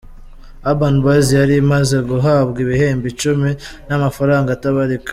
Urban Boyz yari imaze guhabwa ibihembo icumi n’amafaranga atabarika.